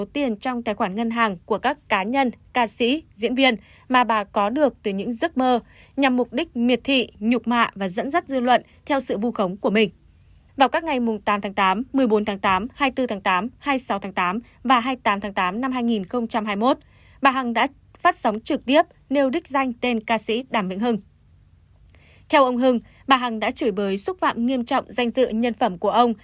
theo ông hưng bà hằng đã chửi bới xúc phạm nghiêm trọng danh dựa nhân phẩm của ông